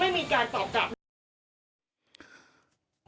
ซึ่งเสร็จแล้วเขาก็บล็อกบล็อกเลยค่ะแล้วก็ไม่มีการตอบกลับ